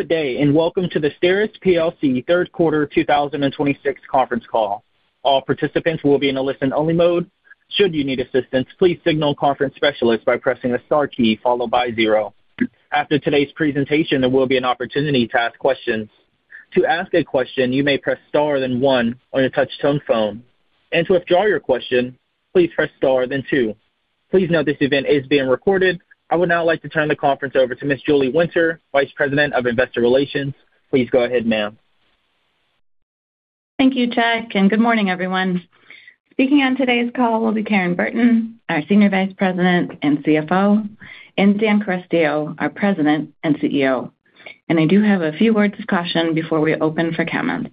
Good day, and welcome to the STERIS plc Q3 2026 conference call. All participants will be in a listen-only mode. Should you need assistance, please signal a conference specialist by pressing the star key followed by zero. After today's presentation, there will be an opportunity to ask questions. To ask a question, you may press star, then one on a touch-tone phone. To withdraw your question, please press star, then two. Please note this event is being recorded. I would now like to turn the conference over to Ms. Julie Winter, Vice President of Investor Relations. Please go ahead, ma'am. Thank you, Jack, and good morning, everyone. Speaking on today's call will be Karen Burton, our Senior Vice President and CFO, and Dan Carestio, our President and CEO. I do have a few words of caution before we open for comments.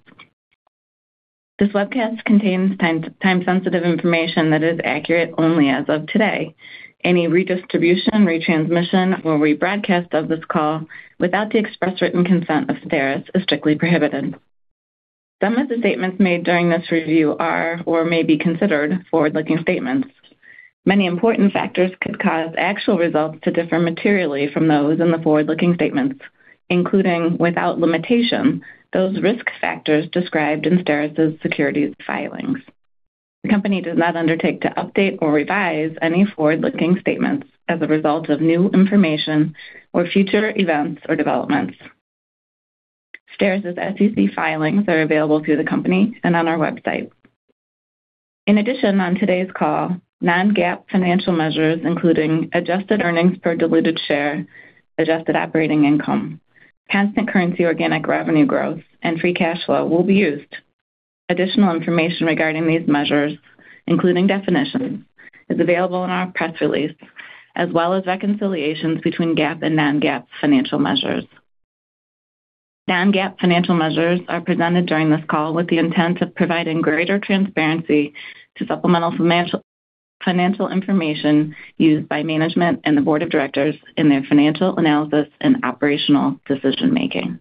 This webcast contains time-sensitive information that is accurate only as of today. Any redistribution, retransmission, or rebroadcast of this call without the express written consent of STERIS is strictly prohibited. Some of the statements made during this review are or may be considered forward-looking statements. Many important factors could cause actual results to differ materially from those in the forward-looking statements, including, without limitation, those risk factors described in STERIS' securities filings. The company does not undertake to update or revise any forward-looking statements as a result of new information or future events or developments. STERIS' SEC filings are available through the company and on our website. In addition, on today's call, non-GAAP financial measures, including adjusted earnings per diluted share, adjusted operating income, constant currency organic revenue growth, and free cash flow will be used. Additional information regarding these measures, including definitions, is available in our press release, as well as reconciliations between GAAP and non-GAAP financial measures. Non-GAAP financial measures are presented during this call with the intent of providing greater transparency to supplemental financial, financial information used by management and the board of directors in their financial analysis and operational decision making.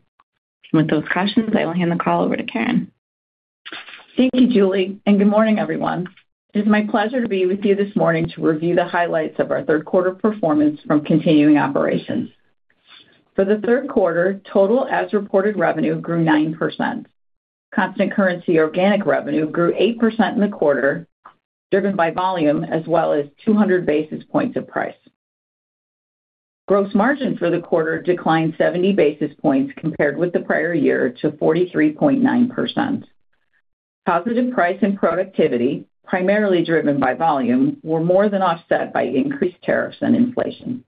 With those cautions, I will hand the call over to Karen. Thank you, Julie, and good morning, everyone. It is my pleasure to be with you this morning to review the highlights of our Q3 performance from continuing operations. For the Q3, total as-reported revenue grew 9%. Constant currency organic revenue grew 8% in the quarter, driven by volume as well as 200 basis points of price. Gross margin for the quarter declined 70 basis points compared with the prior year to 43.9%. Positive price and productivity, primarily driven by volume, were more than offset by increased tariffs and inflation.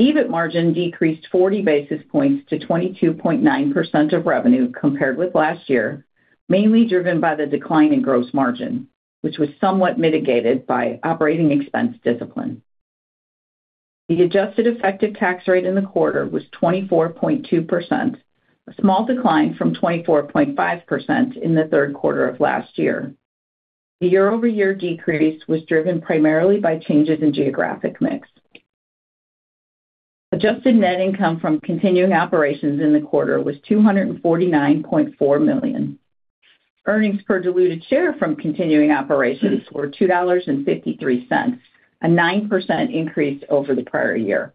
EBIT margin decreased 40 basis points to 22.9% of revenue compared with last year, mainly driven by the decline in gross margin, which was somewhat mitigated by operating expense discipline. The adjusted effective tax rate in the quarter was 24.2%, a small decline from 24.5% in the Q3 of last year. The year-over-year decrease was driven primarily by changes in geographic mix. Adjusted net income from continuing operations in the quarter was $249.4 million. Earnings per diluted share from continuing operations were $2.53, a 9% increase over the prior year.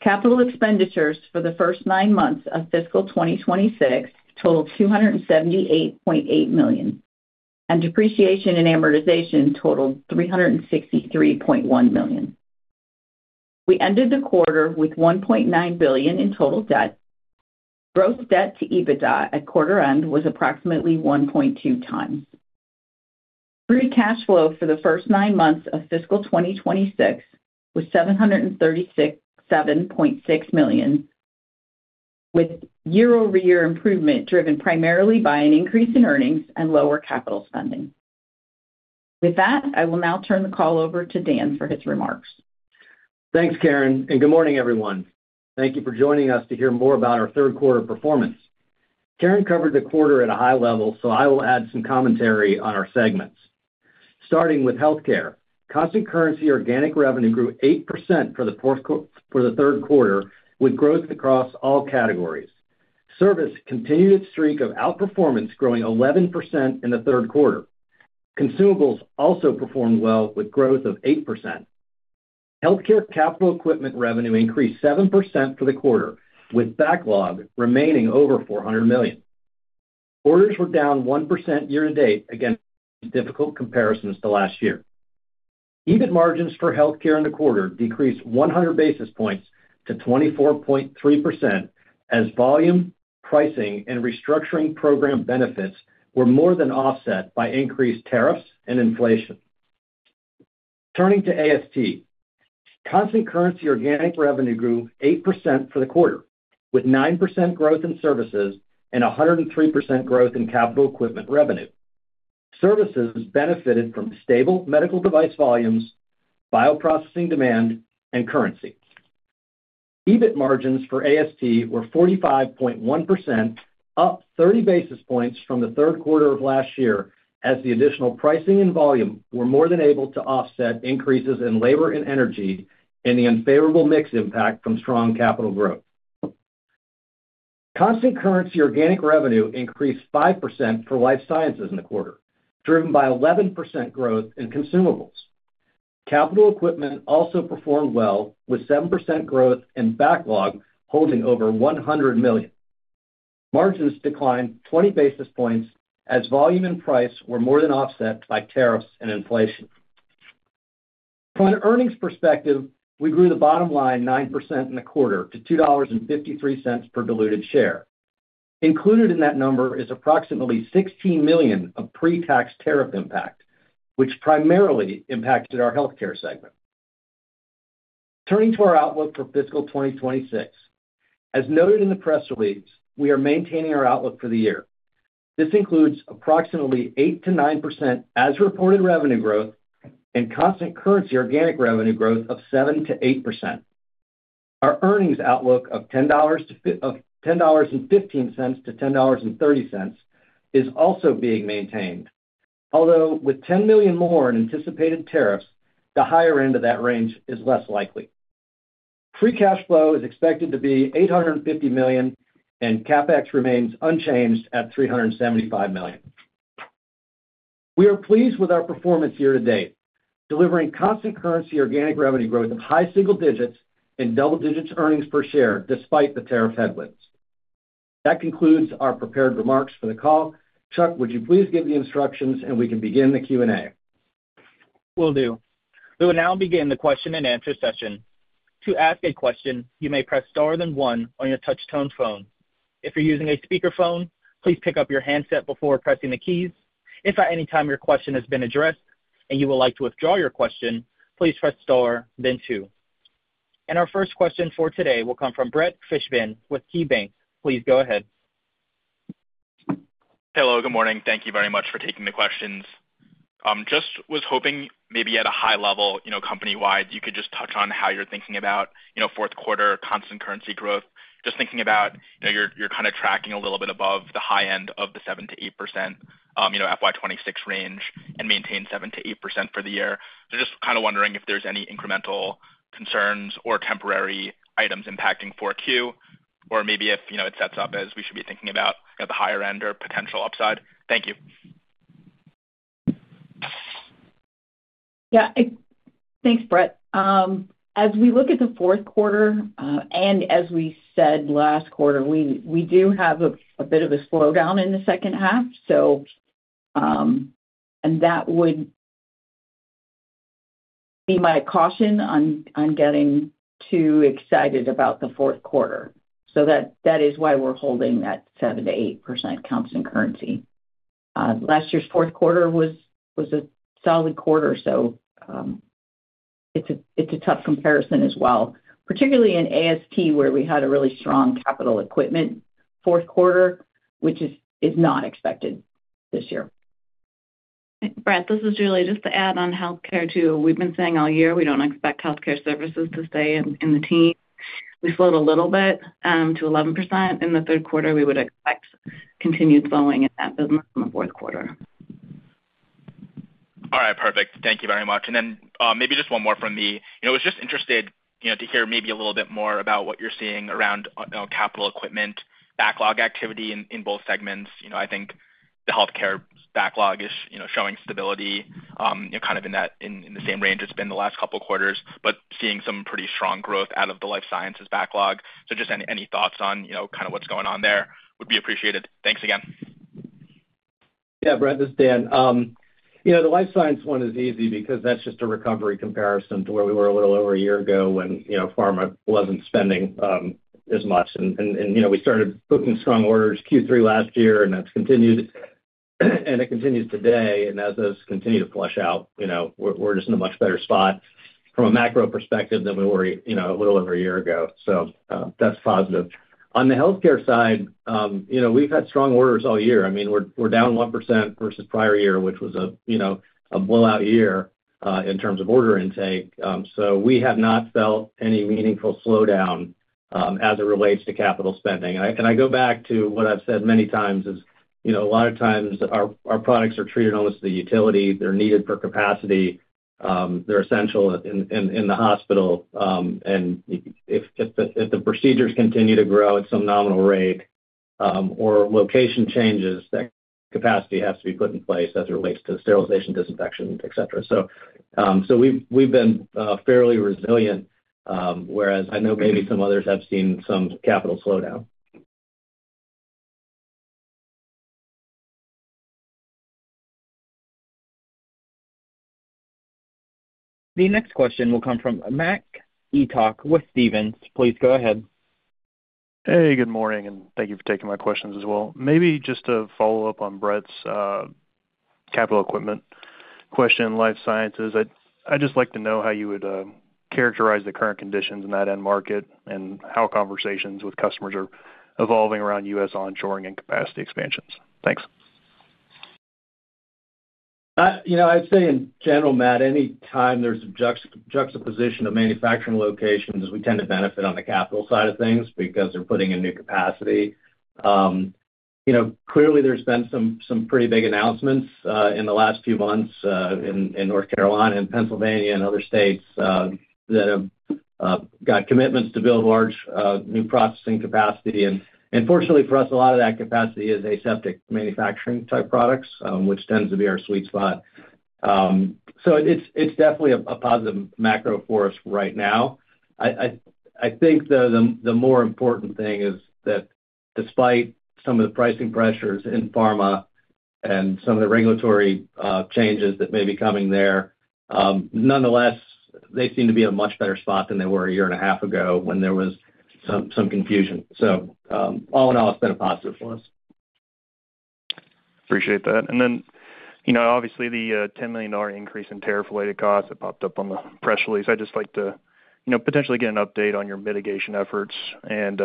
Capital expenditures for the first 9 months of fiscal 2026 totaled $278.8 million, and depreciation and amortization totaled $363.1 million. We ended the quarter with $1.9 billion in total debt. Gross debt to EBITDA at quarter end was approximately 1.2 times. Free cash flow for the first nine months of fiscal 2026 was $736.6 million, with year-over-year improvement driven primarily by an increase in earnings and lower capital spending. With that, I will now turn the call over to Dan for his remarks. Thanks, Karen, and good morning, everyone. Thank you for joining us to hear more about our Q3 performance. Karen covered the quarter at a high level, so I will add some commentary on our segments. Starting with Healthcare. Constant currency organic revenue grew 8% for the Q3, with growth across all categories. Service continued its streak of outperformance, growing 11% in the Q3. Consumables also performed well, with growth of 8%. Healthcare capital equipment revenue increased 7% for the quarter, with backlog remaining over $400 million. Orders were down 1% year-to-date against difficult comparisons to last year. EBIT margins for Healthcare in the quarter decreased 100 basis points to 24.3%, as volume, pricing, and restructuring program benefits were more than offset by increased tariffs and inflation. Turning to AST. Constant currency organic revenue grew 8% for the quarter, with 9% growth in services and 103% growth in capital equipment revenue. Services benefited from stable medical device volumes, bioprocessing demand, and currency. EBIT margins for AST were 45.1%, up 30 basis points from the Q3 of last year, as the additional pricing and volume were more than able to offset increases in labor and energy and the unfavorable mix impact from strong capital growth. Constant currency organic revenue increased 5% for life sciences in the quarter, driven by 11% growth in consumables. Capital equipment also performed well, with 7% growth and backlog holding over $100 million. Margins declined 20 basis points, as volume and price were more than offset by tariffs and inflation. From an earnings perspective, we grew the bottom line 9% in the quarter to $2.53 per diluted share. Included in that number is approximately $16 million of pre-tax tariff impact, which primarily impacted our healthcare segment. Turning to our outlook for fiscal 2026. As noted in the press release, we are maintaining our outlook for the year. This includes approximately 8%-9% as reported revenue growth and constant currency organic revenue growth of 7%-8%. Our earnings outlook of $10.15-$10.30 is also being maintained, although with $10 million more in anticipated tariffs, the higher end of that range is less likely. Free cash flow is expected to be $850 million, and CapEx remains unchanged at $375 million. We are pleased with our performance year-to-date, delivering constant currency organic revenue growth of high single digits and double digits earnings per share, despite the tariff headwinds. That concludes our prepared remarks for the call. Chuck, would you please give the instructions, and we can begin the Q&A? Will do. We will now begin the question-and-answer session. To ask a question, you may press star then one on your touch-tone phone. If you're using a speakerphone, please pick up your handset before pressing the keys. If at any time your question has been addressed and you would like to withdraw your question, please press star, then two. And our first question for today will come from Brett Fishbin with KeyBanc. Please go ahead. Hello, good morning. Thank you very much for taking the questions. Just was hoping maybe at a high level, you know, company-wide, you could just touch on how you're thinking about, you know, Q4 constant currency growth. Just thinking about, you know, you're, you're kind of tracking a little bit above the high end of the 7%-8% FY 2026 range and maintain 7%-8% for the year. So just kind of wondering if there's any incremental concerns or temporary items impacting Q4, or maybe if, you know, it sets up as we should be thinking about the higher end or potential upside. Thank you. Yeah, Thanks, Brett. As we look at the Q4, and as we said last quarter, we do have a bit of a slowdown in the second half. So, and that would be my caution on getting too excited about the Q4. So that is why we're holding that 7%-8% constant currency. Last year's Q4 was a solid quarter, so it's a tough comparison as well, particularly in AST, where we had a really strong capital equipment Q4, which is not expected this year. Brett, this is Julie. Just to add on Healthcare, too, we've been saying all year, we don't expect healthcare services to stay in the teens. We slowed a little bit to 11% in the Q3. We would expect continued slowing in that business in the Q4. All right. Perfect. Thank you very much. And then, maybe just one more from me. You know, I was just interested, you know, to hear maybe a little bit more about what you're seeing around, you know, capital equipment backlog activity in both segments. You know, I think the Healthcare backlog is, you know, showing stability, you know, kind of in that same range it's been the last couple of quarters, but seeing some pretty strong growth out of the Life Sciences backlog. So just any thoughts on, you know, kind of what's going on there would be appreciated. Thanks again. Yeah, Brett, this is Dan. You know, the life science one is easy because that's just a recovery comparison to where we were a little over a year ago when, you know, pharma wasn't spending as much. And, you know, we started booking strong orders Q3 last year, and that's continued, and it continues today. And as those continue to flush out, you know, we're just in a much better spot from a macro perspective than we were, you know, a little over a year ago. So, that's positive. On the healthcare side, you know, we've had strong orders all year. I mean, we're down 1% versus prior year, which was, you know, a blowout year in terms of order intake. So we have not felt any meaningful slowdown as it relates to capital spending. I go back to what I've said many times is, you know, a lot of times our products are treated almost as a utility. They're needed for capacity, they're essential in the hospital, and if the procedures continue to grow at some nominal rate, or location changes, that capacity has to be put in place as it relates to sterilization, disinfection, et cetera. So, we've been fairly resilient, whereas I know maybe some others have seen some capital slowdown. The next question will come from Mac Etoch with Stephens. Please go ahead. Hey, good morning, and thank you for taking my questions as well. Maybe just to follow up on Brett's capital equipment question, life sciences. I'd, I'd just like to know how you would characterize the current conditions in that end market and how conversations with customers are evolving around U.S. onshoring and capacity expansions. Thanks. You know, I'd say in general, Matt, any time there's a juxtaposition of manufacturing locations, we tend to benefit on the capital side of things because they're putting in new capacity. You know, clearly there's been some pretty big announcements in the last few months in North Carolina and Pennsylvania and other states that have got commitments to build large new processing capacity. And fortunately for us, a lot of that capacity is aseptic manufacturing type products, which tends to be our sweet spot. So it's definitely a positive macro for us right now. I think, though, the more important thing is that despite some of the pricing pressures in pharma and some of the regulatory changes that may be coming there, nonetheless, they seem to be in a much better spot than they were a year and a half ago when there was some confusion. So, all in all, it's been a positive for us. Appreciate that. And then, you know, obviously, the $10 million increase in tariff-related costs that popped up on the press release. I'd just like to, you know, potentially get an update on your mitigation efforts and,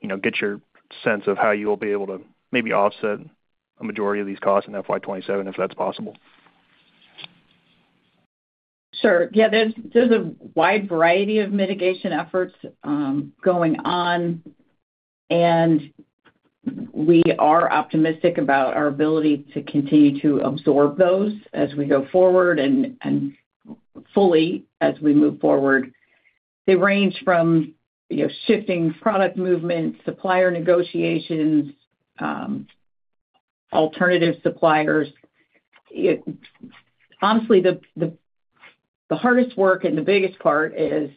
you know, get your sense of how you'll be able to maybe offset a majority of these costs in FY 2027, if that's possible. Sure. Yeah, there's a wide variety of mitigation efforts going on, and we are optimistic about our ability to continue to absorb those as we go forward and fully as we move forward. They range from, you know, shifting product movement, supplier negotiations, alternative suppliers. Honestly, the hardest work and the biggest part is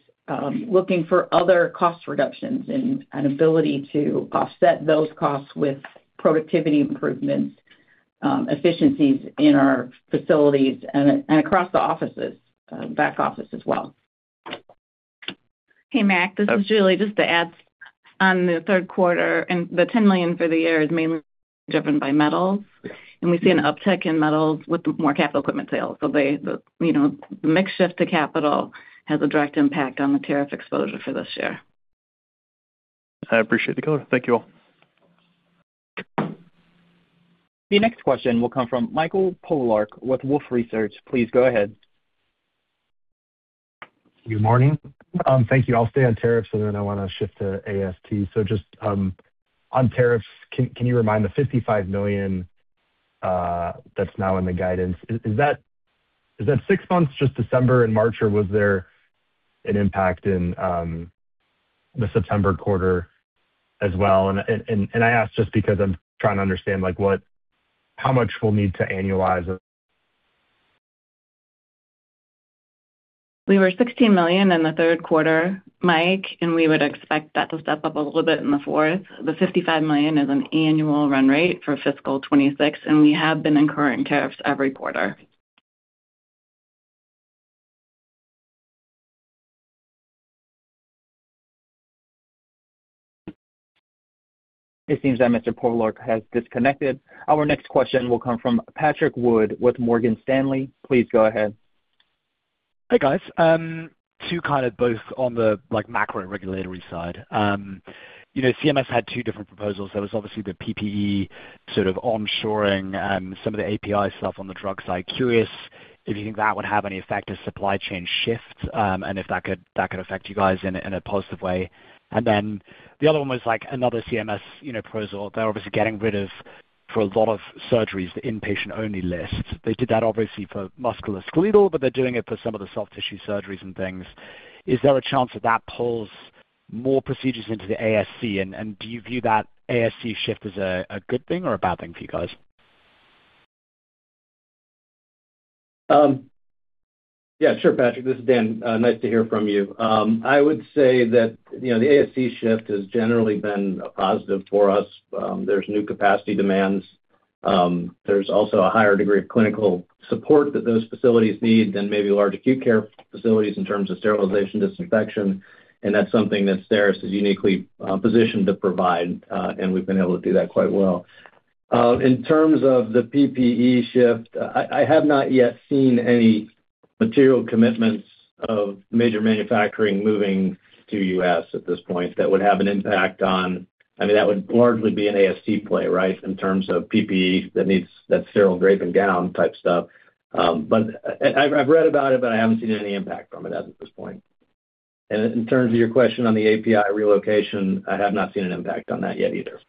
looking for other cost reductions and an ability to offset those costs with productivity improvements, efficiencies in our facilities and across the offices, back office as well. Hey, Mac, this is Julie. Just to add on the Q3, the $10 million for the year is mainly driven by metals, and we see an uptick in metals with more capital equipment sales. So they, you know, the mix shift to capital has a direct impact on the tariff exposure for this year. I appreciate the color. Thank you all. The next question will come from Mike Polark with Wolfe Research. Please go ahead. Good morning. Thank you. I'll stay on tariffs, and then I want to shift to AST. So just on tariffs, can you remind the $55 million, that's now in the guidance, is that six months, just December and March, or was there an impact in the September quarter as well? And I ask just because I'm trying to understand, like, what—how much we'll need to annualize. We were $16 million in the Q3, Mike, and we would expect that to step up a little bit in the fourth. The $55 million is an annual run rate for fiscal 2026, and we have been incurring tariffs every quarter. It seems that Mr. Pollock has disconnected. Our next question will come from Patrick Wood with Morgan Stanley. Please go ahead. Hey, guys. Two kind of both on the, like, macro and regulatory side. You know, CMS had two different proposals. There was obviously the PPE sort of onshoring, some of the API stuff on the drug side. Curious if you think that would have any effect as supply chain shifts, and if that could, that could affect you guys in a, in a positive way. And then the other one was, like, another CMS, you know, proposal. They're obviously getting rid of, for a lot of surgeries, the Inpatient-Only List. They did that obviously for Musculoskeletal, but they're doing it for some of the soft tissue surgeries and things. Is there a chance that that pulls more procedures into the ASC, and, and do you view that ASC shift as a, a good thing or a bad thing for you guys? Yeah, sure, Patrick. This is Dan. Nice to hear from you. I would say that, you know, the ASC shift has generally been a positive for us. There's new capacity demands. There's also a higher degree of clinical support that those facilities need than maybe large acute care facilities in terms of sterilization, disinfection, and that's something that STERIS is uniquely positioned to provide, and we've been able to do that quite well. In terms of the PPE shift, I have not yet seen any material commitments of major manufacturing moving to U.S. at this point that would have an impact on... I mean, that would largely be an ASC play, right, in terms of PPE. That means that's sterile drape and gown type stuff. But I've read about it, but I haven't seen any impact from it as of this point. In terms of your question on the API relocation, I have not seen an impact on that yet either.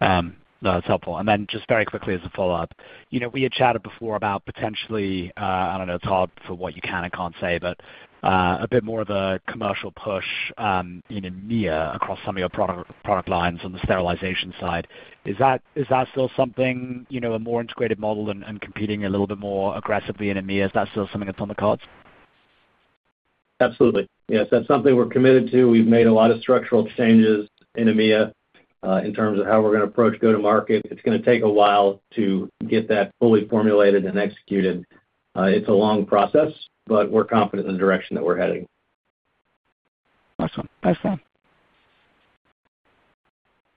No, that's helpful. And then just very quickly as a follow-up, you know, we had chatted before about potentially, I don't know, it's hard for what you can and can't say, but, a bit more of a commercial push, in EMEA across some of your product, product lines on the sterilization side. Is that, is that still something, you know, a more integrated model and, and competing a little bit more aggressively in EMEA? Is that still something that's on the cards? Absolutely. Yes, that's something we're committed to. We've made a lot of structural changes in EMEA in terms of how we're going to approach go-to-market. It's going to take a while to get that fully formulated and executed. It's a long process, but we're confident in the direction that we're heading. Awesome. Thanks, Dan.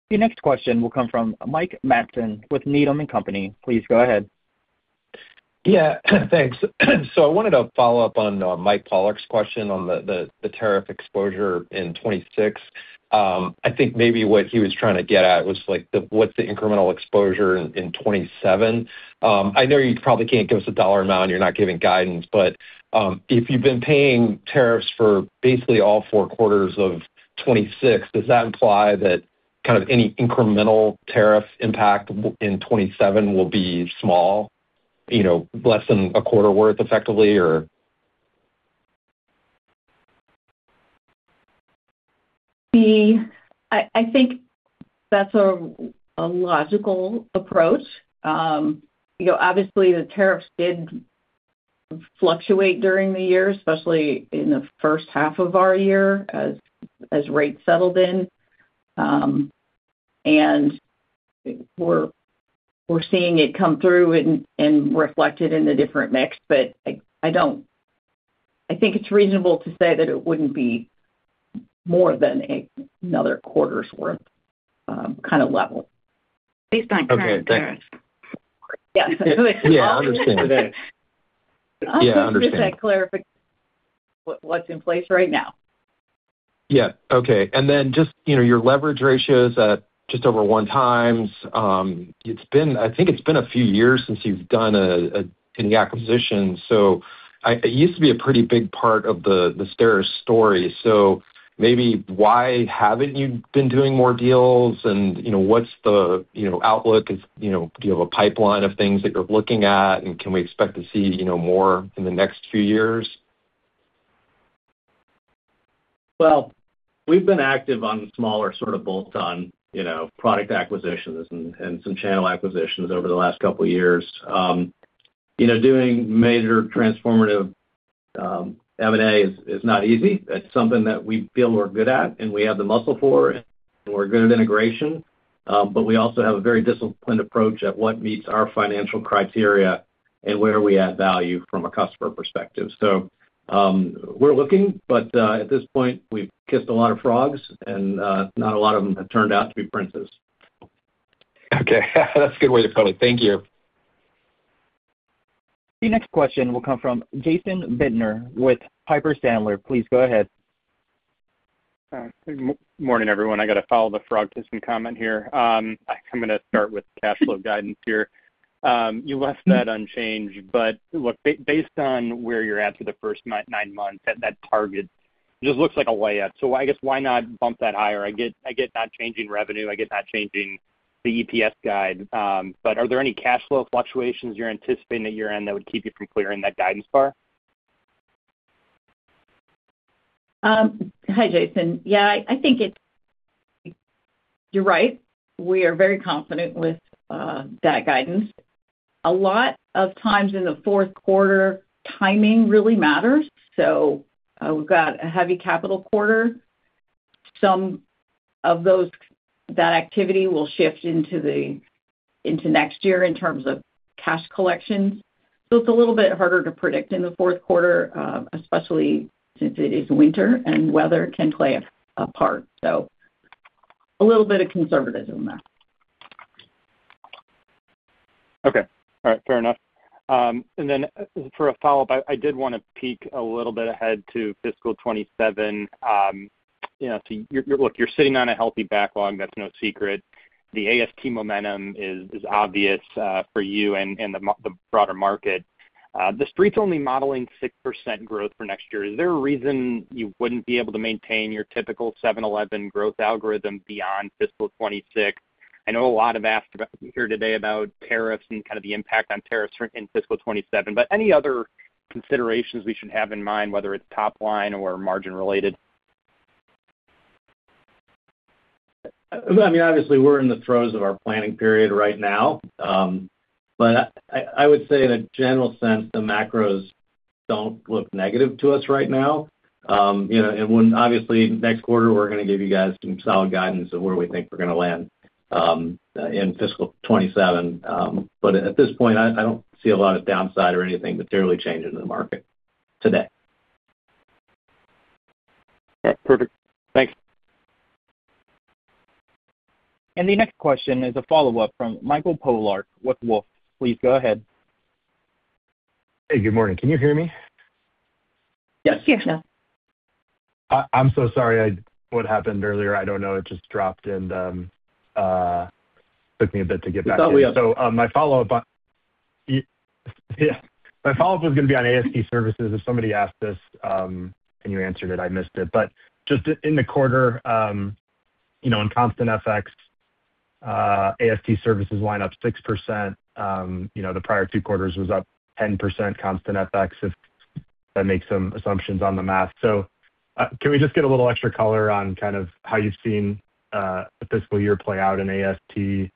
Your next question will come from Mike Matson with Needham & Company. Please go ahead. Yeah, thanks. So I wanted to follow up on Mike Pollock's question on the tariff exposure in 2026. I think maybe what he was trying to get at was, like, what's the incremental exposure in 2027? I know you probably can't give us a dollar amount, and you're not giving guidance, but if you've been paying tariffs for basically all four quarters of 2026, does that imply that kind of any incremental tariff impact in 2027 will be small? You know, less than a quarter worth effectively, or? I think that's a logical approach. You know, obviously, the tariffs did fluctuate during the year, especially in the first half of our year, as rates settled in. And we're seeing it come through and reflected in the different mix, but I think it's reasonable to say that it wouldn't be more than another quarter's worth, kind of level, based on current tariffs. Okay, thanks. Yes. Yeah, I understand. Yeah, I understand. Just to clarify what's in place right now. Yeah. Okay. And then just, you know, your leverage ratios at just over 1x. It's been—I think it's been a few years since you've done any acquisitions, so it used to be a pretty big part of the STERIS story. So maybe why haven't you been doing more deals? And, you know, what's the, you know, outlook? Is, you know, do you have a pipeline of things that you're looking at? And can we expect to see, you know, more in the next few years? Well, we've been active on smaller sort of bolt-on, you know, product acquisitions and, and some channel acquisitions over the last couple of years. You know, doing major transformative, M&A is, is not easy. It's something that we feel we're good at, and we have the muscle for, and we're good at integration. But we also have a very disciplined approach at what meets our financial criteria and where we add value from a customer perspective. So, we're looking, but at this point, we've kissed a lot of frogs, and not a lot of them have turned out to be princes. Okay. That's a good way to put it. Thank you. The next question will come from Jason Bednar with Piper Sandler. Please go ahead. Good morning, everyone. I got to follow the frog kissing comment here. I'm gonna start with cash flow guidance here. You left that unchanged, but look, based on where you're at for the first nine months, that target just looks like a way out. So I guess, why not bump that higher? I get not changing revenue, I get not changing the EPS guide, but are there any cash flow fluctuations you're anticipating at year-end that would keep you from clearing that guidance bar? Hi, Jason. Yeah, I think it's... You're right. We are very confident with that guidance. A lot of times in the Q4, timing really matters, so we've got a heavy capital quarter. That activity will shift into the, into next year in terms of cash collections. So it's a little bit harder to predict in the Q4, especially since it is winter, and weather can play a part. So a little bit of conservatism there. Okay. All right, fair enough. And then for a follow-up, I did wanna peek a little bit ahead to fiscal 2027. You know, look, you're sitting on a healthy backlog, that's no secret. The AST momentum is obvious, for you and the broader market. The street's only modeling 6% growth for next year. Is there a reason you wouldn't be able to maintain your typical 7/11 growth algorithm beyond fiscal 2026? I know a lot have asked about here today about tariffs and kind of the impact on tariffs in fiscal 2027, but any other considerations we should have in mind, whether it's top line or margin related? I mean, obviously, we're in the throes of our planning period right now, but I would say in a general sense, the macros don't look negative to us right now. You know, and when obviously, next quarter, we're gonna give you guys some solid guidance of where we think we're gonna land, in fiscal 2027. But at this point, I don't see a lot of downside or anything materially changing in the market today. All right. Perfect. Thanks. The next question is a follow-up from Michael Pollock with Wolfe. Please go ahead. Hey, good morning. Can you hear me? Yes, we hear you now. I'm so sorry, what happened earlier, I don't know, it just dropped and took me a bit to get back- No worry. So, my follow-up on, yeah, my follow-up was gonna be on AST Services. If somebody asked this and you answered it, I missed it. But just in the quarter, you know, in constant FX, AST Services line up 6%. You know, the prior two quarters was up 10%, constant FX, if I make some assumptions on the math. So, can we just get a little extra color on kind of how you've seen the fiscal year play out in AST? You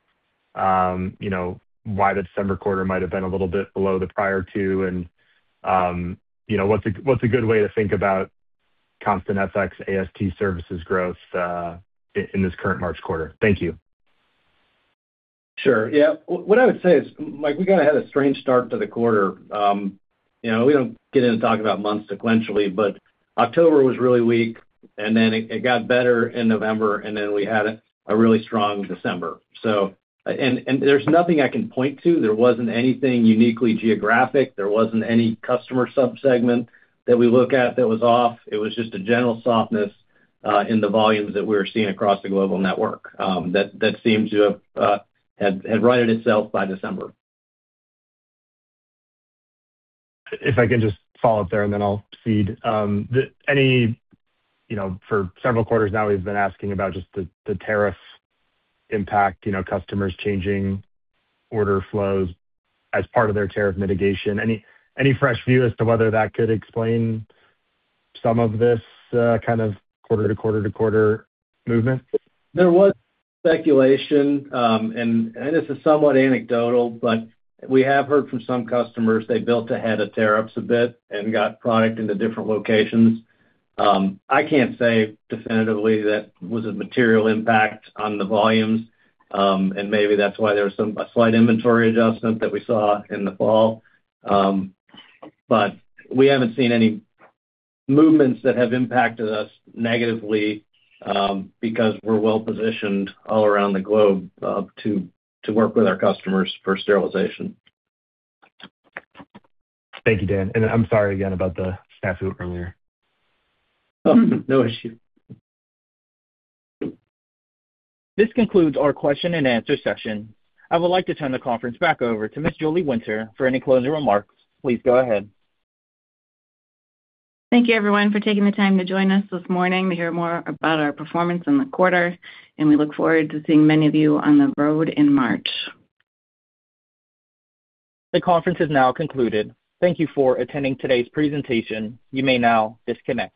know, why the December quarter might have been a little bit below the prior two, and you know, what's a good way to think about constant FX AST services growth in this current March quarter? Thank you. Sure. Yeah. What I would say is, Mike, we got to have a strange start to the quarter. You know, we don't get in and talk about months sequentially, but October was really weak, and then it got better in November, and then we had a really strong December. So... And there's nothing I can point to. There wasn't anything uniquely geographic. There wasn't any customer sub-segment that we look at that was off. It was just a general softness in the volumes that we were seeing across the global network, that seemed to have righted itself by December. If I can just follow up there, and then I'll cede. Any, you know, for several quarters now, we've been asking about just the tariff impact, you know, customers changing order flows as part of their tariff mitigation. Any fresh view as to whether that could explain some of this kind of quarter to quarter to quarter movement? There was speculation, and this is somewhat anecdotal, but we have heard from some customers, they built ahead of tariffs a bit and got product into different locations. I can't say definitively that was a material impact on the volumes, and maybe that's why there was a slight inventory adjustment that we saw in the fall. But we haven't seen any movements that have impacted us negatively, because we're well positioned all around the globe, to work with our customers for sterilization. Thank you, Dan, and I'm sorry again about the snafu earlier. Oh, no issue. This concludes our question and answer session. I would like to turn the conference back over to Ms. Julie Winter for any closing remarks. Please go ahead. Thank you, everyone, for taking the time to join us this morning to hear more about our performance in the quarter, and we look forward to seeing many of you on the road in March. The conference is now concluded. Thank you for attending today's presentation. You may now disconnect.